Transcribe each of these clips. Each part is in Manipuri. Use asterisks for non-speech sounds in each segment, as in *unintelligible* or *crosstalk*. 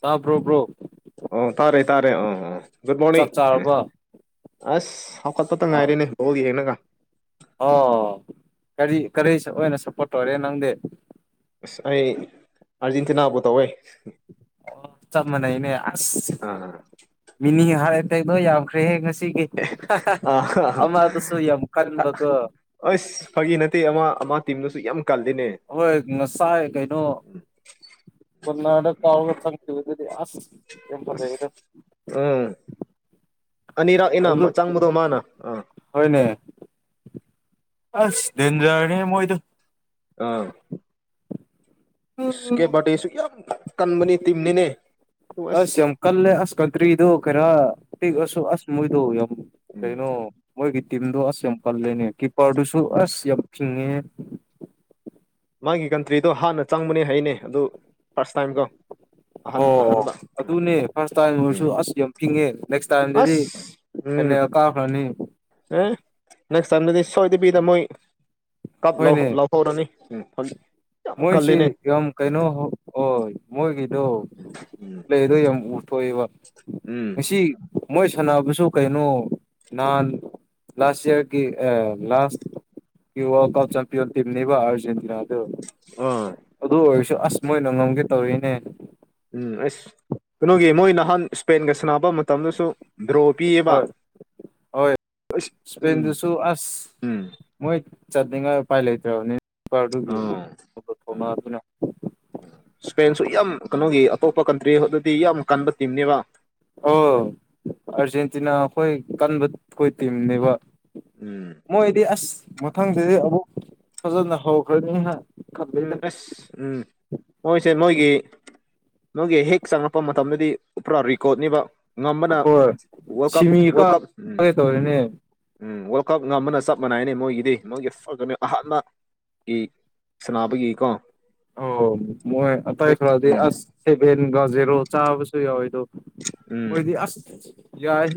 ꯇꯥꯕ꯭ꯔꯣ ꯄ꯭ꯔꯣ ꯑꯣ ꯇꯥꯔꯦ ꯇꯥꯔꯦ ꯑ ꯑ ꯒꯗ ꯃꯣꯔꯅꯤꯡ ꯆꯥꯛ ꯎꯝ ꯆꯥꯔꯕ ꯑꯁ ꯍꯥꯎꯀꯠꯄꯇ ꯑꯥ ꯉꯥꯏꯔꯦꯅꯦ ꯕꯣ ꯌꯦꯡꯅꯒ ꯑꯣ ꯀꯔꯤ ꯀꯔꯤ ꯑꯣꯏꯅ ꯁꯞꯄꯣꯔꯠ ꯇꯧꯔꯦ ꯅꯪꯗꯤ ꯑꯁ ꯑꯩ ꯑꯥꯔꯖꯦꯟꯇꯤꯅꯥꯕꯨ ꯇꯧꯋꯦ ꯑꯣ ꯆꯞ ꯃꯥꯟꯅꯩꯅꯦ ꯑꯁ ꯑꯥ ꯃꯤꯅꯤ ꯍꯥꯏꯔꯦ ꯇꯦꯡꯗꯣ ꯌꯥꯝꯈ꯭ꯔꯦꯍꯦ ꯉꯁꯤ ꯀꯩ ꯑꯥ ꯑꯃ ꯑꯗꯨꯁꯨ ꯌꯥꯝ ꯀꯥꯟꯕꯒ ꯑꯁ ꯐꯥꯒꯤ ꯅꯠꯇꯦ ꯑꯃ ꯑꯃ ꯇꯤꯝꯅꯁꯨ ꯌꯥꯝ ꯀꯜꯂꯤꯅꯦ ꯍꯣꯏ ꯉꯁꯥꯏ ꯀꯩꯅꯣ ꯀꯟꯅꯗ ꯇꯥꯎꯔꯒ ꯆꯪꯈꯤꯕꯗꯨꯗꯤ ꯑꯁ ꯌꯥꯝ ꯐꯖꯩꯗ ꯎꯝ ꯑꯅꯤꯔꯛ ꯑꯅ ꯆꯪꯕꯗꯣ ꯃꯥꯅ ꯑꯥ ꯍꯅꯦ ꯑꯁ ꯅꯟꯖꯥꯅꯦ ꯃꯣꯏꯗ ꯑꯥ ꯏꯁ ꯀꯦ ꯎꯝ ꯕꯥꯔꯗꯦꯁꯨ ꯌꯥꯝ ꯀꯟꯕꯅꯤ ꯇꯤꯝꯅꯤꯅꯦ ꯑ ꯑꯁ ꯀꯜꯂꯦ ꯑꯁ ꯀꯇ꯭ꯔꯤꯗꯣ ꯈꯔꯥ ꯇꯤꯛꯑꯁꯨ ꯑꯁ ꯃꯣꯏꯗꯣ ꯌꯥꯝ ꯎꯝ ꯀꯩꯅꯣ ꯃꯣꯏꯒꯤ ꯇꯤꯝꯗꯣ ꯑꯁ ꯌꯥꯝ ꯄꯜꯂꯦꯅꯦ ꯀꯤꯞꯄꯔꯗꯨꯁꯨ ꯎꯝ ꯑꯁ ꯌꯥꯝꯈꯤꯤꯡꯉꯦ ꯃꯥꯒꯤ ꯀꯟꯇ꯭ꯔꯤꯗꯣ ꯍꯥꯟꯅ ꯆꯪꯕꯅꯦ ꯍꯩꯅꯦ ꯑꯗꯨ ꯐꯥꯔꯁ ꯇꯥꯏꯝ ꯀꯣ ꯑꯣ ꯑꯣ ꯑꯗꯨꯅꯦ ꯐꯥꯔꯁ ꯇꯥꯏꯝ ꯎꯝ ꯑꯣꯏꯔꯁꯨ ꯑꯁ ꯌꯥꯝ ꯐꯤꯡꯉꯦ ꯅꯦꯛꯁ ꯇꯥꯏꯝꯗꯗꯤ ꯑꯁ ꯐꯜ ꯎꯝ ꯀꯥꯔ ꯈꯔꯅꯤ ꯑꯦ ꯅꯦꯛꯁ ꯇꯥꯏꯝꯗꯗꯤ ꯁꯣꯏꯗꯕꯤꯗ ꯃꯣꯏ ꯀꯞ ꯍꯣꯏꯅꯦ ꯂ ꯍꯧꯔꯅꯤ ꯎꯝ ꯃꯣꯏꯁꯤ ꯌꯥꯝ ꯀꯩꯅꯣ ꯍꯣꯏ ꯃꯣꯏꯒꯤꯗꯣ ꯎꯝ ꯂꯩ ꯑꯗꯣ ꯌꯥꯝ ꯎꯊꯣꯛꯑꯕ ꯎꯝ ꯉ ꯃꯣꯏ ꯁꯥꯟꯅꯕꯁꯨ ꯀꯩꯅꯣ ꯅꯍꯥꯟ ꯂꯥꯁ ꯏꯌꯥꯔ ꯀ ꯑ ꯂꯥꯁ ꯀ ꯋꯥꯔꯜ ꯀꯞ ꯆꯦꯝꯝꯄꯤꯌꯟ ꯇꯤꯝꯅꯤꯕꯣ ꯑꯔꯖꯦꯟꯇꯅꯥꯅꯣ ꯑ ꯑꯗꯨ ꯑꯣꯏꯔꯁꯨ ꯑꯁ ꯃꯣꯏꯅ ꯉꯝꯒꯦ ꯇꯧꯔꯤꯅꯦ ꯎꯝ ꯑꯁ ꯀꯩꯅꯣꯒꯤ ꯃꯣꯏ ꯅꯍꯥꯟ ꯏꯁꯄꯦꯟꯒ ꯁꯥꯟꯅꯕ ꯃꯇꯝꯗꯁꯨ ꯗ꯭ꯔꯣꯄꯤꯑꯕ ꯍꯣꯏ ꯍꯣꯏ ꯑꯁ ꯎꯝ ꯏꯁꯄꯦꯟꯗꯨꯁꯨ ꯑꯁ ꯎꯝ ꯃꯣꯏ ꯆꯠꯇꯅꯤꯡꯉꯥꯏ ꯎꯄꯥꯏ ꯑꯥ ꯂꯩꯇ꯭ꯔꯕꯅꯤꯔꯗꯨꯒꯤꯅꯑ ꯑꯗꯨꯅꯦ ꯏꯁꯄꯦꯟꯁꯨ ꯌꯥꯝ ꯀꯩꯅꯣꯒꯤ ꯑꯇꯣꯞꯄ ꯀꯟꯇ꯭ꯔꯤ ꯑꯗꯨꯗꯤ ꯌꯥꯝ ꯀꯟꯕ ꯇꯤꯝꯅꯦꯕ ꯑꯣ ꯑꯥꯔꯖꯦꯟꯇꯤꯅꯥ ꯑꯩꯈꯣꯏ ꯀꯟꯕ ꯑꯩꯈꯣꯏ ꯇꯤꯝꯅꯦꯕ ꯎꯝ ꯃꯣꯏꯗꯤ ꯑꯁ ꯃꯊꯪꯗꯗꯤ ꯑꯃꯨꯛ ꯐꯖꯅ ꯍꯧꯈ꯭ꯔꯅꯤ ꯎꯝ ꯑꯁ ꯎꯝ ꯃꯣꯏꯁꯦ ꯅꯣꯏꯒꯤ ꯅꯣꯏꯒꯤ ꯍꯦꯛ ꯆꯪꯂꯉꯛꯄ ꯃꯇꯝꯗꯗꯤ ꯄꯨꯔꯥ ꯔꯤꯀꯣꯠꯅꯤꯕ ꯉꯝꯕꯅ ꯍꯣꯏ ꯋꯥꯔꯜ ꯀꯞ ꯁꯤꯃꯤ ꯋꯥꯔꯜ ꯀꯞ ꯎꯝ ꯀꯥꯒꯦ ꯎꯝ ꯇꯧꯔꯤꯅꯦ ꯎꯝ ꯋꯥꯔꯜ ꯀꯞ ꯉꯝꯕꯅ ꯆꯞ ꯃꯥꯟꯅꯏꯅꯦ ꯃꯣꯏꯒꯤꯗꯤ ꯃꯣꯏꯒꯤ ꯐꯒꯅꯤ ꯑꯍꯥꯟꯕꯒꯤ ꯁꯅꯥꯕꯒꯀꯣ ꯑꯣ ꯃꯣꯏ ꯑꯇꯋꯥꯏ ꯈꯔꯗꯤ ꯎꯝ ꯑꯁ ꯁꯦꯚꯦꯟꯒ ꯖꯦꯔꯣ ꯆꯥꯕꯁꯨ ꯌꯥꯎꯋꯦꯗꯣ ꯎꯝ ꯃꯣꯏꯗꯤ ꯑꯁ ꯌꯥꯏ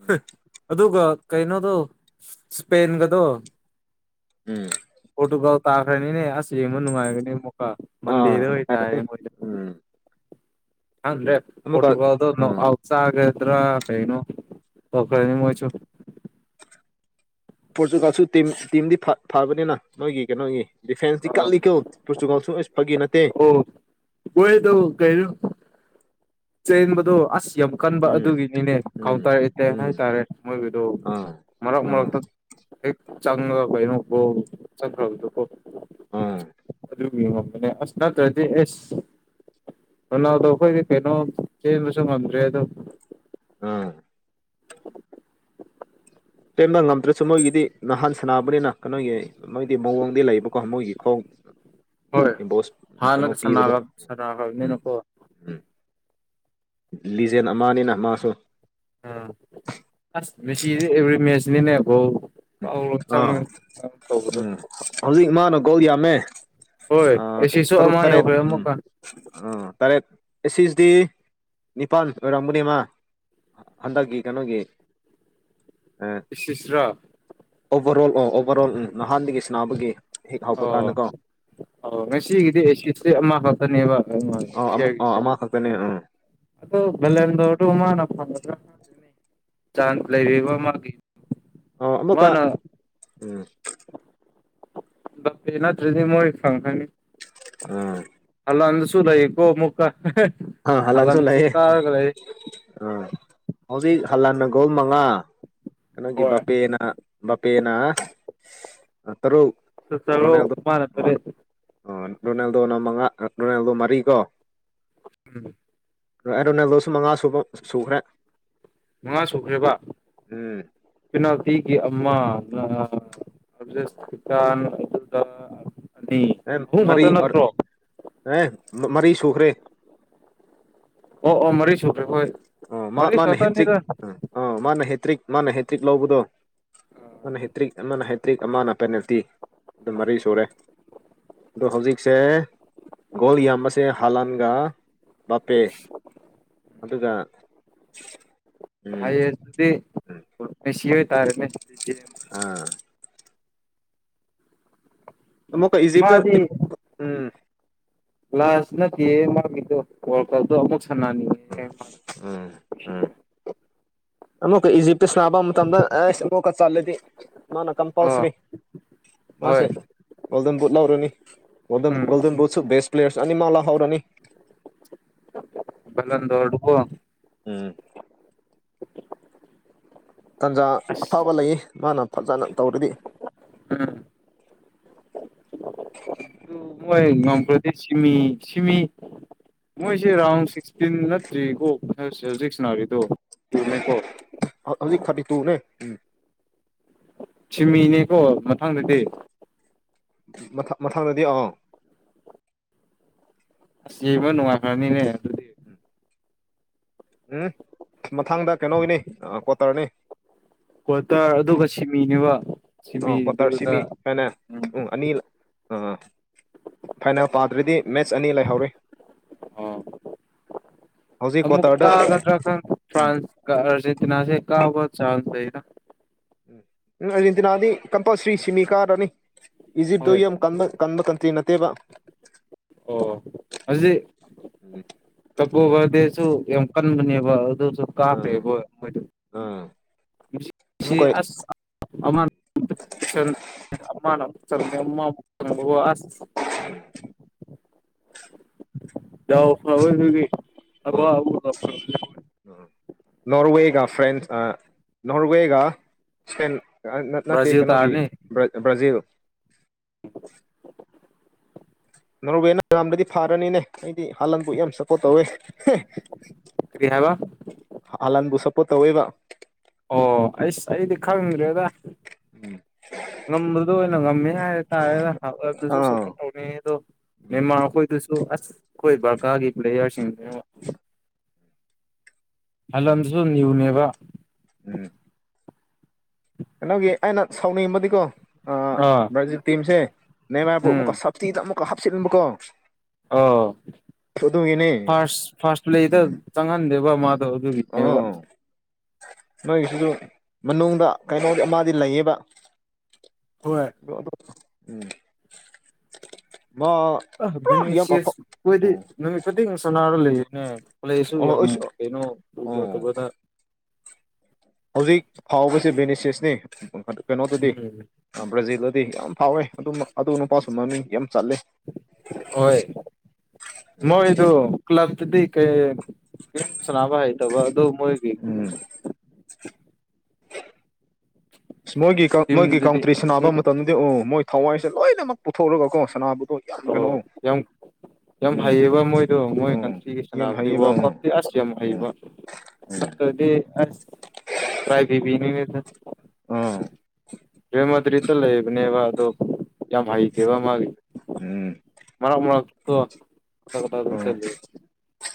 ꯎꯝ ꯑꯗꯨꯒ ꯀꯩꯅꯣꯗꯣ ꯎꯝ ꯁꯄꯦꯟꯒꯗꯣ ꯎꯝ ꯐꯣ ꯇꯨꯀꯥꯎ ꯇꯥꯈꯔꯅꯤꯅꯦ ꯑꯁ ꯌꯦ ꯃꯅꯅꯨꯡ ꯃꯥꯒꯅꯤ ꯃꯀꯥ ꯑꯥ ꯃꯗꯗ ꯍ ꯅꯨꯡꯉꯥꯏꯔꯅꯤ ꯇꯑ ꯃꯣꯏ ꯎꯝ ꯑꯗ꯭ꯔꯦ ꯑꯃꯨꯛꯀ ꯄꯣꯇꯨꯒꯜꯗ ꯎꯝ ꯆꯥꯒꯗ꯭ꯔꯥ ꯀꯩꯅꯣ ꯇꯧꯈ꯭ꯔꯅꯤ ꯃꯣꯏꯁꯨ ꯄꯣꯔꯇꯨꯒꯥꯜꯁꯨ ꯇꯝ ꯇꯤꯝꯗꯤ ꯐꯕꯅꯤꯅ ꯅꯣꯏꯒꯤ ꯀꯩꯅꯣꯒꯤ ꯗꯤꯐꯦꯟꯁꯇꯤ ꯑꯣ ꯀꯜꯂꯤꯀꯣ ꯄꯇꯨꯒꯜꯁꯨ ꯑꯣ ꯃꯣꯏꯗꯣ ꯀꯔꯤꯅꯣ ꯆꯦꯟꯕꯗꯣ ꯑꯁ ꯌꯥꯝ ꯀꯟꯕ ꯎꯝ ꯑꯗꯨꯒꯤꯅꯤꯅꯦ ꯎꯝ ꯀꯥꯎꯟꯇꯔ ꯀꯩ ꯎꯝ ꯍꯥꯏꯇꯥꯔꯦ ꯃꯣꯏꯒꯤꯗꯣ ꯑꯥ ꯃꯔꯛ ꯑꯥ ꯃꯔꯛꯇ ꯑꯦꯛ ꯆꯪꯉꯒ ꯀꯩꯅꯣ ꯀꯣ ꯆꯠꯈ꯭ꯔꯕꯗꯣ ꯑꯥ ꯑꯗꯨ ꯌꯦꯉꯝꯕꯅꯦ ꯑꯁ ꯅꯠꯇ꯭ꯔꯗꯤ ꯑꯦꯁ ꯅꯅꯥꯎꯗꯣ ꯑꯩꯈꯣꯏꯗꯤ ꯀꯩꯅꯣ ꯆꯦꯟꯕꯁꯨ ꯉꯝꯗ꯭ꯔꯦ ꯑꯗꯣ ꯑꯥ *inaudible* ꯄꯦꯟꯕ ꯉꯝꯗ꯭ꯔꯁꯨ ꯃꯣꯏꯒꯤꯗꯤ ꯅꯍꯥꯟ ꯁꯥꯟꯅꯕꯅꯤꯅ ꯀꯩꯅꯣꯒꯤ ꯃꯣꯏꯗꯤ ꯃꯑꯣꯡꯗꯤ ꯂꯩꯕꯀꯣ ꯃꯣꯏꯒꯤ ꯈꯣꯡ ꯍꯣꯏ ꯏꯝꯕꯣꯁ ꯍꯥꯟꯅꯒ ꯀꯩꯅꯣ ꯄꯤꯕꯗꯣ ꯁꯥꯟꯅꯕ ꯎꯝ ꯁꯥꯟꯅꯈ꯭ꯔꯕꯅꯤꯅꯀꯣ ꯎꯝ ꯂꯤꯖꯦꯟꯗ ꯑꯃꯅꯤꯅ ꯃꯥꯁꯨ ꯑꯥ ꯑꯁ ꯃꯦꯁꯤꯗꯤ ꯑꯦꯕ꯭ꯔꯤ ꯃꯦꯆꯅꯤꯅꯦ ꯒꯣꯜ ꯀꯥꯎꯔ ꯎ ꯑꯥ ꯆꯪꯉ ꯇꯧꯕꯗꯣ ꯎꯝ ꯍꯧꯖꯤꯛ ꯏꯃꯥꯅ ꯀꯣꯜ ꯌꯥꯝꯃꯦ ꯍꯣꯏ ꯑ ꯑꯦꯁꯤꯁꯁꯨ ꯇꯔꯨꯛ ꯑꯃ ꯇꯔꯦꯠ ꯌꯧꯈ꯭ꯔꯦ ꯎꯝ ꯑꯃꯨꯛꯀ ꯑꯥ ꯇꯔꯦꯠ ꯑꯦꯁꯤꯁꯗꯤ ꯅꯤꯄꯥꯜ ꯑꯣꯏꯔꯝꯒꯅꯦ ꯃꯥ ꯍꯟꯗꯛꯀꯤ ꯀꯩꯅꯣꯒꯤ ꯑ ꯏꯁꯤꯁꯔꯥ ꯑꯣꯕꯔ ꯑꯣꯜ ꯑꯣ ꯑꯣꯕꯔ ꯑꯣꯜ ꯎ ꯅꯍꯥꯟꯗꯒꯤ ꯁꯅꯥꯕꯒꯤ ꯍꯦꯛ ꯍꯧꯕ ꯑꯣ ꯀꯥꯟꯗꯀꯣ ꯑꯣ ꯉꯁꯤꯒꯤꯗꯤ ꯑꯦꯁꯤꯁꯇꯤ ꯑꯃ ꯈꯛꯇꯅꯦꯕ *unintelligible* ꯑꯦꯁꯤꯌꯥꯒꯤ ꯇꯅꯦ ꯑ ꯑꯣ ꯒꯂꯦꯗꯣꯔꯗꯣ ꯃꯥꯅ ꯐꯪꯒꯗ꯭ꯔꯣ ꯍ ꯆꯥꯟꯁ ꯂꯩꯕꯤꯕ ꯃꯥꯒꯤ ꯑ ꯑꯃꯨꯛꯀ ꯃꯥꯅ ꯎꯝ ꯍꯟꯗꯛꯇꯤ ꯅꯠꯇ꯭ꯔꯗꯤ ꯃꯣꯏ ꯐꯪꯍꯟꯅꯤ ꯑ ꯍꯜꯂꯥꯟꯗꯁꯨꯨ ꯂꯩꯀꯣ ꯃꯨꯀꯥ ꯑ ꯍꯜꯂꯥꯟꯁꯨ ꯂꯩꯌꯦ ꯑꯥ ꯍꯧꯖꯤꯛ ꯍꯜꯂꯟꯅ ꯒꯣꯜ ꯃꯉꯥ ꯀꯩꯅꯣꯒꯤ ꯍꯣꯏ ꯕꯥꯄꯦꯅ ꯃꯄꯦꯅ ꯇꯔꯨꯛ ꯁꯨ ꯇꯔꯨꯛ ꯃꯥꯅ ꯇꯔꯦꯠ ꯑ ꯔꯣꯅꯥꯜꯗꯣ ꯅ ꯃꯉꯥ ꯔꯣꯅꯥꯜꯗꯣ ꯃꯔꯤ ꯀꯣ ꯎꯝ ꯀ꯭ꯔꯥꯏ ꯔꯣꯅꯥꯜꯗꯣꯁꯨ ꯃꯉꯥ ꯁꯨꯕ ꯁꯨꯈ꯭ꯔꯦ ꯃꯉꯥ ꯁꯨꯈ꯭ꯔꯦꯕ ꯎꯝ ꯄꯤꯅꯥꯜꯇꯤꯒꯤ ꯑꯃ ꯅ ꯑꯖꯁꯇꯥꯟ ꯑꯗꯨꯒ ꯑꯅꯤ ꯑꯍꯨꯝ ꯈꯛꯇ ꯅꯠꯇ꯭ꯔꯣ ꯑꯦꯟ ꯃ ꯃꯔꯤ ꯁꯨꯈ꯭ꯔꯦ ꯑꯣ ꯑꯣ ꯃꯔꯤ ꯁꯨꯈ꯭ꯔꯕꯣꯏ ꯑꯣ ꯃꯥ ꯃꯔꯤ ꯃꯥꯅ ꯍꯦꯇ꯭ꯔꯤꯛ ꯈꯛꯇꯅꯤꯗ ꯑꯥ ꯃꯥꯅ ꯍꯦꯇ꯭ꯔꯤꯛ ꯃꯥꯅ ꯍꯦꯇ꯭ꯔꯤꯛ ꯂꯧꯕꯗꯣ ꯃꯥꯅ ꯍꯦꯇ꯭ꯔꯤꯛ ꯑꯃꯅ ꯇ꯭ꯔꯤꯛ ꯑꯃꯅ ꯄꯦꯅꯥꯜꯇꯤ ꯑꯗꯨꯝ ꯃꯔꯤ ꯁꯨꯔꯦ ꯑꯗꯣ ꯍꯧꯖꯤꯛꯁꯦ ꯒꯣꯜ ꯌꯥꯝꯕꯁꯦ ꯍꯥꯜꯂꯟꯒ ꯕꯥꯄꯦ ꯑꯗꯨꯒ ꯎꯝ ꯐꯩꯌꯦ ꯑꯗꯨꯗꯤ ꯃꯦꯁꯤ ꯍꯣꯏ ꯇꯥꯔꯅꯤ ꯑꯥ ꯑꯃꯨꯛꯀ ꯏꯖꯤꯞꯇ ꯏꯝ ꯃꯥꯗꯤ ꯎꯝ ꯂꯥꯁ ꯅꯠꯇꯦ ꯃꯥꯒꯤꯗꯣ ꯋꯥꯔꯜꯗ ꯀꯞꯗꯣ ꯑꯃꯨꯛ ꯁꯅꯥꯅꯤꯡꯉꯦꯌꯦ ꯃꯥ ꯎꯝ ꯎꯝ ꯑꯃꯨꯛꯀ ꯏꯖꯤꯞꯇ ꯁꯥꯅꯥꯕ ꯃꯇꯝꯗ ꯑꯦꯁ ꯑꯃꯨꯛꯀ ꯆꯠꯂꯗꯤ ꯃꯥ ꯅ ꯑꯥ ꯀꯝꯄꯜꯁꯔꯤ ꯃꯥꯁꯦ ꯍꯣꯏ ꯒꯣꯜꯗꯟ ꯕꯨꯠ ꯂꯧꯔꯅꯤ ꯒꯣꯜꯗ ꯎꯝ ꯒꯣꯜꯟ ꯕꯨꯠꯁꯨ ꯕꯦꯁ ꯄ꯭ꯂꯦꯌꯔꯁꯨ ꯑꯅꯤ ꯃꯥꯂꯥ ꯍꯧꯔꯅꯤ ꯂꯟ ꯑꯣꯔꯕꯨ ꯎꯝ ꯇꯥꯟꯖꯥ ꯑꯐꯕ ꯂꯩꯌꯦ ꯃꯥꯅ ꯐꯖꯅ ꯇꯧꯔꯗꯤ ꯎꯝ ꯑꯗꯨ ꯃꯣꯏ ꯉꯝꯄ꯭ꯔꯗꯤ ꯁꯤꯃꯤ ꯁꯤꯃꯤ ꯃꯣꯏꯁꯦ ꯔꯔꯥꯎꯟ ꯁꯤꯛꯁꯇꯤꯟ ꯅꯠꯇ꯭ꯔꯤꯀꯣ ꯍꯧꯖꯤꯛ ꯁꯥꯟꯅꯔꯤꯗꯣ ꯌꯣꯃꯦꯀꯣ ꯍꯧꯖꯤꯛ ꯊꯥꯔꯇꯤ ꯇꯨꯅꯦ ꯎꯝ ꯁꯤꯃꯤꯅꯦꯀꯣ ꯃꯊꯪꯗꯗꯤ ꯃ ꯃꯊꯪꯗꯗꯤ ꯑ ꯑꯁ ꯌꯕ ꯅꯨꯡꯉꯥꯏꯈ꯭ꯔꯅꯤꯅꯦ ꯎꯝ ꯃꯊꯥꯡꯗ ꯀꯩꯅꯣꯒꯤꯅꯤ ꯀꯣꯠꯇꯔꯅꯤ ꯀ꯭ꯋꯥꯇꯔ ꯑꯗꯨꯒ ꯁꯤꯃꯤꯅꯦꯕ ꯑ ꯁꯤꯃꯤ ꯀ꯭ꯋꯥꯇꯔ ꯑꯗꯨꯗꯨꯒ ꯁꯤꯃꯤ ꯀꯅ ꯎꯝ ꯑꯅꯤ ꯑꯥ ꯑ ꯐꯥꯏꯅꯥꯜ ꯄꯥꯗ꯭ꯔꯗꯤ ꯃꯦꯠꯆ ꯑꯅꯤ ꯂꯩꯍꯧꯔꯤꯦ ꯑꯣ ꯍꯧꯖꯤꯛ ꯀꯇꯥ ꯋꯥꯗ ꯎꯝ ꯑꯔꯖꯦꯟꯇꯤꯅꯥꯁꯦ ꯀꯥꯕ ꯆꯥꯁꯗ ꯎꯝ ꯎꯝ ꯏꯗꯤꯅꯥꯗꯤ ꯀꯝꯄꯜꯁꯔꯤ ꯁꯤꯃꯤ ꯀꯥꯔ ꯔꯅꯤ ꯏꯖꯤꯞ ꯗꯣ ꯍꯣꯏ ꯀ ꯀꯟꯕ ꯀꯟꯇ꯭ꯔꯤ ꯅꯠꯇꯦꯕ ꯑꯣ ꯍꯧꯖꯤꯛ ꯀꯀꯣ ꯈꯗꯁꯨ ꯌꯥꯝ ꯀꯟꯕꯅꯦꯕ ꯑꯗꯨꯁꯨ ꯑꯥ ꯀꯥꯈ꯭ꯔꯦꯕ ꯃꯣꯏꯗ ꯑꯥ ꯁꯤ ꯑꯃꯨꯛꯀ ꯑꯁ ꯑꯅ ꯆꯔ ꯑꯁ ꯌꯥꯎ ꯐꯔꯗꯤ ꯑꯋꯥ ꯐꯔ ꯅꯔꯋꯦꯒ ꯐ꯭ꯔꯥꯟꯁ ꯅꯔꯋꯦꯒ ꯆꯦꯟ ꯅꯠꯇꯦ ꯕ꯭ꯔꯥꯖꯤꯜ ꯀꯩꯅꯣꯒꯤ ꯇꯥꯔꯅꯤ ꯕ꯭ꯔꯥꯖꯤꯜ ꯅꯥꯎꯨꯕꯦꯅ ꯑꯝꯗꯗꯤ ꯐꯥꯔꯅꯤꯅꯦ ꯑꯩꯗꯤ ꯍꯥꯟꯍꯟꯕꯨ ꯌꯥꯝ ꯆꯄꯣꯠ ꯇꯧꯋꯦ ꯀꯔꯤ ꯍꯥꯏꯕ ꯑꯜꯂꯅꯕꯨ ꯁꯄꯣ ꯇꯧ ꯑꯣꯏꯣꯏꯕ ꯑꯣ ꯑꯩꯁ ꯑꯩꯗꯤ ꯈꯪꯗ꯭ꯔꯦꯗ ꯎꯝ ꯉꯝꯕꯗ ꯑꯣꯏꯅ ꯉꯝꯃꯦ ꯍꯥꯏꯇꯥꯥꯔꯦꯗꯁꯨ ꯑꯥ ꯁꯄꯣꯔꯠ ꯇꯧꯅꯤꯡ ꯑꯗꯣ ꯃꯦꯟꯃꯥꯔ ꯑꯩꯈꯣꯏꯗꯨꯁꯨ ꯑꯁ ꯑꯩꯈꯣꯏ ꯕꯔꯀꯥꯒꯤ ꯄ꯭ꯂꯦꯌꯥꯔꯁꯤꯡꯗꯨ ꯑꯜꯟꯁꯨ ꯅꯎꯅꯦꯕ ꯎꯝ ꯀꯩꯅꯣꯒꯤ ꯑꯩꯅ ꯁꯥꯎꯅꯤꯡꯕꯗꯤꯀꯣ ꯑꯥ ꯕ꯭ꯔꯥꯖꯤꯜ ꯇꯤꯝꯁꯦ ꯅ ꯃꯥꯥꯏꯕꯨ ꯎꯝ ꯑꯃꯨꯛꯀ ꯍꯞꯆꯤꯗ ꯑꯃꯨꯛꯀ ꯍꯥꯞꯆꯤꯤꯟꯂꯝꯕꯀꯣ ꯑ ꯑꯗꯨꯒꯤꯅꯦ ꯐꯥꯔꯁ ꯐꯥꯔꯁ ꯂꯩꯗ ꯆꯪꯍꯟꯗꯦꯕ ꯃꯥꯗꯣ ꯑꯗꯨꯒꯤꯅꯦꯕ ꯑꯥ ꯅꯣꯏꯒꯤꯁꯤꯁꯨ ꯃꯅꯨꯡꯗ ꯀꯩꯅꯩꯅꯧ ꯑꯃꯗꯤ ꯂꯩꯌꯦꯕ ꯍꯣꯏ ꯎꯝ ꯃꯥ ꯑ ꯄꯨꯔꯥ ꯌꯥꯝ ꯑꯐ ꯕꯤꯅꯤꯁꯤꯁ ꯀꯣꯏꯗꯤ ꯎꯝ ꯅꯨꯃꯤꯠ ꯈꯨꯗꯤꯡ ꯁꯅꯥꯔ ꯂꯩꯌꯦꯅꯦ ꯍ ꯂꯩ ꯑꯩꯁꯨ ꯑꯣ ꯌꯥꯝ ꯑꯩꯁ ꯎꯝ ꯀꯩꯅꯣꯗ ꯍꯧꯖꯤꯛ ꯐꯥꯎꯕꯁꯤ ꯕꯦꯅꯤꯁꯤꯁꯅꯤ ꯀꯩꯅꯣꯗꯗꯤ꯫ ꯎꯝ ꯕ꯭ꯔꯥꯖꯤꯜꯗꯗꯤ ꯌꯥꯝ ꯐꯥꯎꯋꯦ ꯑꯗꯨꯝ ꯑꯗꯨ ꯅꯨꯄꯥꯁꯨ ꯃꯃꯤꯡ ꯌꯥꯝ ꯆꯠꯂꯦ ꯍꯣꯏ ꯃꯣꯏꯗꯨ ꯀ꯭ꯂꯕꯇꯗꯤ ꯀꯩ ꯀꯝ ꯁꯅꯕ ꯍꯥꯏꯇꯧꯕ ꯑꯗꯨ ꯃꯣꯏ ꯎꯝ ꯑ ꯃꯣꯏꯒꯤ ꯃꯣꯏꯒꯤ ꯇꯤꯝꯗꯨꯗꯤ ꯀꯥꯎꯟꯇ꯭ꯔꯤ ꯁꯅꯥꯕ ꯎꯝ ꯃꯇꯝꯗꯗꯤ ꯑꯣ ꯃꯣꯏ ꯊꯋꯥꯏꯁꯦ ꯂꯣꯏꯅꯃꯛ ꯄꯨꯊꯣꯛꯎꯒ ꯀꯣ ꯁꯅꯥꯕꯨꯗꯣ ꯑꯣ ꯀꯩꯅꯣ ꯌꯥꯝ ꯌꯥꯝ ꯍꯩꯌꯦꯕ ꯃꯣꯏꯗꯣ ꯃꯣꯏ ꯎꯝ ꯀꯟꯇ꯭ꯔꯤꯒꯤ ꯌꯥꯝ ꯁꯥꯟꯅꯕꯗꯤ ꯍꯩꯌꯦꯕ ꯋꯥꯔꯜ ꯎꯝ ꯀꯞꯇꯤ ꯑꯁ ꯌꯥꯝ ꯍꯩꯕ ꯎꯝ ꯅꯗꯤ ꯀꯥꯏ ꯐꯕꯤꯅꯤ ꯑꯥ ꯔꯦꯃꯗ꯭ꯔꯤꯠꯇ ꯂꯩꯕꯅꯦꯕ ꯑꯗꯣ ꯌꯥꯝ ꯍꯩꯇꯦꯕ ꯃꯥꯒꯤ ꯎꯝ ꯃꯔꯛ ꯃꯔꯛ ꯀ ꯀ ꯀ ꯑꯗꯨ ꯆꯠ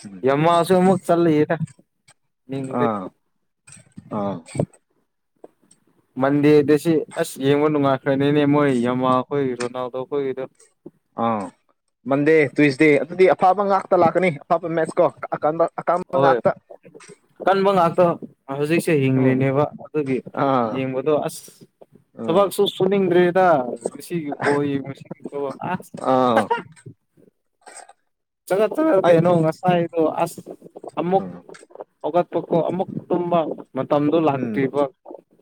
ꯎꯝ ꯌꯦꯣꯁꯨ ꯑꯃꯛ ꯆꯂꯔ ꯑꯥ ꯑꯥ ꯃꯟꯗꯦꯗ ꯁꯤ ꯑꯁ ꯌꯦꯡꯕ ꯅꯨꯡꯉꯥꯏꯈ꯭ꯔꯅꯤꯅꯦ ꯃꯣꯏ ꯌꯥꯝꯃ ꯑꯩꯈꯣꯏꯒꯤ ꯔꯣꯅꯥꯜꯗꯣ ꯑꯩꯈꯣꯏꯒꯤꯗꯣ ꯑꯥ ꯃꯟꯗꯦ ꯇꯨꯋꯁꯗꯦ ꯑꯗꯨꯗꯤ ꯑꯐꯕ ꯉꯥꯛꯇ ꯂꯥꯛꯀꯅꯤ ꯑꯐꯕ ꯃꯦꯠꯁ ꯀꯣꯑꯀꯥꯟꯗ ꯍꯣꯏ ꯀꯟꯕ ꯉꯥꯛꯇꯣ ꯍꯧꯖꯤꯛ ꯁꯦ ꯎꯝ ꯍꯤꯡꯂꯤꯅꯦꯕ ꯑꯗꯨꯒꯤ ꯑꯥ ꯌꯦꯡꯕꯗꯣ ꯑꯁ ꯎꯝ ꯊꯕꯛꯁꯨ ꯁꯨꯅꯤꯡꯗ꯭ꯔꯦꯗ ꯁꯤꯒꯤ ꯑꯣꯏ ꯑ ꯑꯥ ꯆꯪꯉꯠ ꯆꯪꯉꯠ ꯑꯩ ꯀꯩꯅꯣ ꯉꯁꯥꯏꯗꯨ ꯑꯁ ꯑꯃꯨꯛ ꯎꯝ ꯍꯧꯒꯠꯄꯣ ꯑꯃꯨꯛꯀꯕ ꯃꯇꯝꯗꯣ ꯂꯥꯛꯇ꯭ꯔꯤꯕ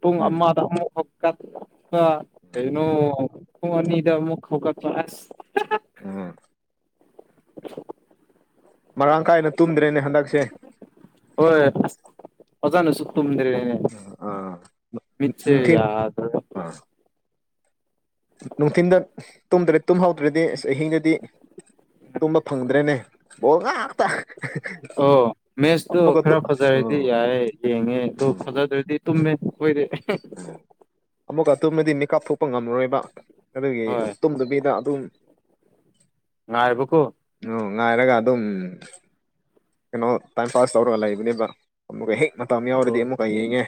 ꯄꯨꯡ ꯎꯝ ꯑꯃꯗ ꯑꯃꯛ ꯀꯄ ꯀꯩꯅꯣ ꯑꯅꯤꯗ ꯑꯃꯨꯛ ꯀꯄ ꯑꯁ ꯎꯝ *unintelligible* ꯃꯔꯥꯡ ꯀꯥꯏꯅ ꯇꯨꯝꯗ꯭ꯔꯦꯅꯦ ꯍꯟꯗꯛꯁꯦ ꯍꯣꯏ ꯑꯣꯖꯥꯅ ꯁ ꯇ ꯃꯗꯔꯤ ꯑꯥ ꯃꯤꯆꯦ ꯅꯨꯡꯊꯤꯟ ꯌꯥ꯭ꯔꯣ ꯑꯥ ꯅꯨꯡꯊꯤꯟꯗ ꯇꯨꯝꯗ꯭ꯔꯗꯤ ꯇꯨꯝꯍꯧꯗ꯭ꯔꯗꯤ ꯑꯁ ꯑꯍꯤꯡꯗꯗꯤ ꯇꯨꯝꯕ ꯐꯪꯗ꯭ꯔꯦꯅꯦ ꯕꯣꯒ ꯑꯣ ꯃꯦꯠꯁꯇꯨ ꯑꯃꯨꯛꯀ ꯇꯨ ꯈꯔ ꯐꯖꯔꯗꯤ ꯎꯝ ꯌꯥꯔꯦ ꯌꯦꯡꯉꯦ ꯑꯗꯨ ꯎꯝ ꯐꯖꯗ꯭ꯔꯗꯤ ꯎꯝ ꯇꯨꯝꯃꯦ ꯀꯣꯏꯔꯦ ꯑꯃꯨꯛ ꯑꯗꯨꯃꯗꯤ ꯃꯤꯦꯀꯥꯞ ꯊꯣꯛꯄ ꯉꯝꯃꯣꯏꯕ ꯑꯗꯨꯒꯤ ꯍꯣꯏ ꯇꯨꯝꯗꯕꯤꯗ ꯑꯗꯨꯝ ꯉꯥꯏꯕ ꯀꯣ ꯎ ꯉꯥꯏꯔꯒ ꯑꯗꯨꯝ ꯀꯩꯅꯣ ꯇꯥꯏꯝ ꯄꯥꯁ ꯇꯧꯔꯒ ꯂꯩꯕꯅꯦꯕ ꯑꯃꯨꯛꯀ ꯍꯦꯛ ꯃꯇꯝ ꯌꯥꯎꯔꯗꯤ ꯑꯣ ꯑꯃꯨꯛꯀ ꯌꯦꯡꯉꯦ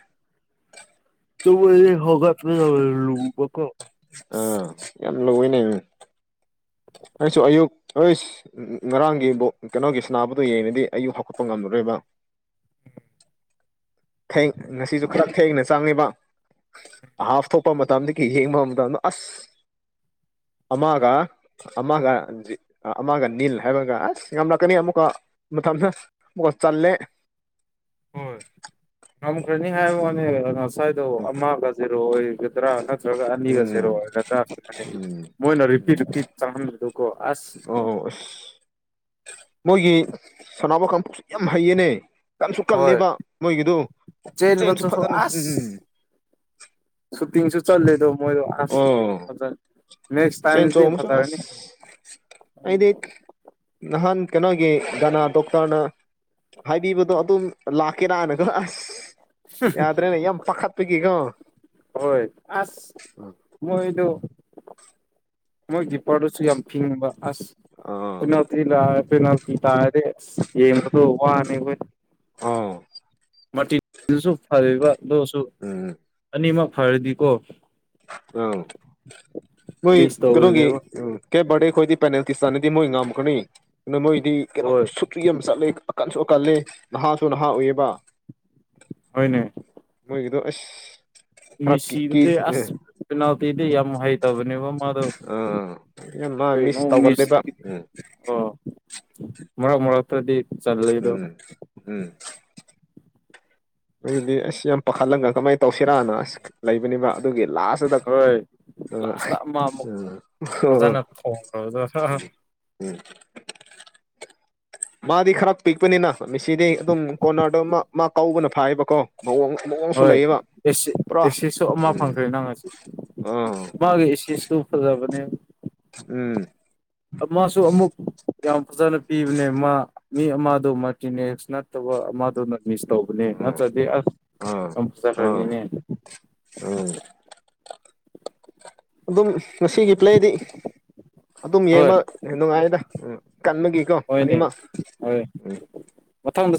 ꯇꯨꯝꯕꯗꯤ ꯍꯧꯒꯠꯄ ꯂꯕꯀꯣ ꯑꯥ ꯌꯥꯝ ꯂꯧꯋꯅꯦꯕ ꯑꯩꯁꯨ ꯑꯌꯨꯛ ꯑꯏ ꯎ ꯉꯔꯥꯡꯒꯤꯕꯨ ꯀꯩꯅꯣꯒꯤ ꯁꯅꯥꯕꯗꯣ ꯌꯦꯡꯉꯗꯤ ꯑꯌꯨꯛ ꯍꯧꯀꯠꯄ ꯉꯝꯂꯔꯣꯏꯕ ꯊꯦꯡ ꯉꯁꯤꯁꯨ ꯈꯔ ꯊꯦꯡꯅ ꯆꯪꯉꯕ ꯍꯥꯐ ꯇꯣꯛꯄ ꯃꯇꯝꯗ ꯀꯤ ꯌꯦꯡ ꯃꯥ ꯑꯁ ꯑꯃꯒ ꯑꯃꯒ ꯑꯃꯒ ꯅꯤꯜ ꯍꯥꯏꯕꯒ ꯑꯁ ꯌꯥꯝꯂꯛꯀꯅꯤ ꯑꯃꯨꯛꯀ ꯃꯊꯪꯗ ꯒꯣꯜ ꯆꯟꯂꯦ ꯍꯣꯏ ꯉꯝꯈ꯭ꯔꯅꯤ ꯍꯥꯏꯕ ꯋꯥꯅꯤ ꯉꯁꯥꯏꯗꯣ ꯑꯃꯒ ꯖꯤꯔꯣ ꯑꯣꯏꯒꯗ꯭ꯔꯥ ꯅ ꯅꯠꯇ꯭ꯔꯒ ꯑꯅꯤꯒ ꯖꯦꯔꯣ ꯎꯝ ꯑꯣꯏꯒꯗ꯭ꯔꯥ ꯁ ꯎꯝ ꯃꯣꯏꯅ ꯔꯤꯄꯤꯠ ꯎꯝ ꯔꯤꯄꯤꯠ ꯆꯪꯂꯟꯕꯗꯣ ꯑꯣ ꯑꯁ ꯃꯣꯏꯒꯤ ꯁꯥꯟꯅꯕ ꯀꯥꯡꯕꯨꯁꯨ ꯌꯥꯝ ꯍꯩꯌꯦꯅꯦ ꯀꯟꯁꯨ ꯍꯣꯏ ꯀꯜꯂꯦꯕ ꯃꯣꯏꯒꯤꯗꯣ ꯆꯦꯡꯁꯨ ꯆꯦꯟꯕꯗꯨꯁꯨ ꯐꯖꯅ ꯎꯝ ꯎꯝ ꯑꯁ ꯁꯨꯇꯤꯡꯁꯨ ꯆꯠꯂꯦꯗꯣ ꯃꯣꯏꯗꯣ ꯑꯁ ꯑꯣ ꯐꯖ ꯅꯦꯁ ꯆꯦꯟ ꯇꯥꯏꯗꯗꯤ ꯆꯣꯡꯕꯁꯨ ꯐꯆꯔꯅꯤ ꯑꯁ ꯑꯩꯗꯤ ꯅꯍꯥꯟ ꯀꯩꯅꯣꯒꯤ ꯒꯅꯥ ꯗꯣꯛꯇꯔꯅ ꯍꯥꯏꯕꯤꯕꯗꯣ ꯑꯗꯨꯝ ꯂꯥꯛꯀꯦꯔꯥꯅ ꯀꯣ ꯑꯥꯁ ꯌꯥꯗ꯭ꯔꯦꯅꯦ ꯌꯥꯝ ꯄꯥꯈꯠꯄꯥꯒꯤꯀꯣ꯫ ꯍꯣꯏ ꯑꯥꯁ ꯃꯣꯏꯗꯣ꯫ ꯃꯣꯏꯒꯤ ꯄꯔꯗꯨꯁꯁꯨ ꯌꯥꯝ ꯐꯤꯡꯕ ꯑꯥꯁ ꯑꯥ ꯄꯦꯅꯥꯜꯇꯤꯗ ꯂꯥꯛꯑꯦ ꯍꯩꯄꯥꯗꯤ ꯌꯦꯡꯗꯨ ꯋꯥꯔꯦ ꯑꯩꯈꯣꯏ ꯑꯣ ꯃꯔꯇꯤꯛꯗꯨꯁꯨ ꯐꯔꯤꯕ ꯑꯗꯨꯁꯨ ꯎꯝ ꯑꯅꯤꯃꯛ ꯐꯥꯔꯗꯤ ꯀꯣ꯫ ꯑꯥꯎ ꯃꯣꯏ ꯃꯤꯁ ꯀꯩꯅꯣꯒꯤ ꯇꯧꯔꯤꯅꯦꯕ ꯎꯝ ꯀꯦꯞꯕꯥꯔꯗ° ꯈꯣꯏꯗꯤ ꯄꯦꯅꯦꯜꯇꯤ ꯁꯥꯟꯅꯗꯦ ꯃꯣꯏ ꯉꯝꯃꯀꯅꯤ ꯑꯗꯣ ꯅꯣꯏꯒꯤꯗꯤ ꯀꯩꯅꯣꯝꯁꯨ ꯍꯣꯏ ꯀꯔ°ꯛ ꯑꯃ ꯆꯠꯂꯦ ꯑꯀꯟꯁꯨ ꯑꯀꯜꯂꯦ ꯅꯍꯥꯁꯨ ꯅꯍꯥ ꯑꯣꯏꯏꯌꯦꯕ꯫ ꯍꯣꯏꯅꯦ ꯃꯣꯏꯒꯤꯗꯣ ꯑꯥꯁ ꯈꯔꯗꯤ ꯀꯤ ꯀꯤꯍ° ꯄ°ꯅꯥꯏꯇꯤꯗꯤ ꯌꯥꯝ ꯍꯩꯇꯕꯅꯦꯕ ꯃꯥꯗꯣ ꯑꯥ ꯑꯩ ꯃꯥ ꯃꯤꯁ ꯇꯧꯒꯟꯂꯦꯕ ꯎꯝ ꯑꯣ ꯃꯔꯛ ꯃꯔꯛꯇꯗꯤ ꯆꯜꯂꯤꯗꯣ ꯎꯝ ꯎꯝ ꯑꯗꯤ ꯑꯥꯁ ꯌꯥꯝ ꯄꯥꯈꯠꯂꯒ ꯀꯃꯥꯏ ꯇꯧꯁꯤꯔꯥꯅ ꯑꯁ ꯂꯩꯕꯅꯤꯕ ꯑꯗꯨꯒꯤ ꯂꯥꯁꯇꯗ ꯍꯣꯏ ꯑꫭ ꯂꯥꯁꯇ ꯑꯃ ꯑꯃꯨꯛ ꯑꫭ ꯐꯖꯅ ꯊꯣꯡꯈ꯭ꯔꯕꯗꯣ *unintelligible* ꯎꯝ ꯃꯥꯗꯤ ꯈꯔ ꯄꯤꯛꯄꯅꯤꯅ ꯃꯤꯁꯤꯗꯤ ꯑꯗꯨꯝ ꯀꯣꯅꯔꯗꯩꯝꯃꯥ ꯃꯥ ꯀꯥꯎꯕꯅ ꯐꯥꯏꯌ°ꯕꯥꯀꯣ ꯍꯣꯏ ꯑꯦꯁ ꯄꯨꯔꯥ ꯑꯦꯁꯤꯁꯨ ꯑꯃꯥ ꯎꯝ ꯐꯪꯈ꯭ꯔꯦ ꯅ ꯉꯁꯤ꯫ ꯑꯥ ꯃꯥꯒꯤ ꯑ° ꯁꯤꯁꯨ ꯐꯖꯕꯅꯦ ꯎꯝ ꯑꯃꯥꯁꯨ ꯑꯃꯨꯛ ꯌꯥꯝ ꯐꯖꯅ ꯄꯤꯕꯅꯦ ꯃꯥ ꯃꯤ ꯑꯃꯗꯣ ꯃꯜꯇꯤꯅꯦꯛꯁ ꯅꯠꯇꯕ ꯑꯃꯗꯨꯅ ꯃꯤꯁ ꯇꯧꯕꯥ ꯅꯦ ꯑꯥ ꯅꯠꯇ꯭ꯔꯗꯤ ꯑꯥꯁ ꯑꯥ ꯌꯥꯝ ꯐꯖ ꯑꯥ ꯈ꯭ꯔꯅꯤꯅꯦ ꯎꯝ ꯑꯗꯨꯝ ꯉꯁꯤꯒꯤ ꯄ꯭ꯂꯦꯗꯤ ꯑꯗꯨꯝ ꯍꯣꯏ ꯌꯦꯡꯕꯥ ꯅꯨꯡꯉꯥꯏꯌꯦꯗꯥ ꯍꯣꯏꯅꯦ ꯍꯣꯏ ꯎꯝ ꯃꯊꯪꯗꯁꯨ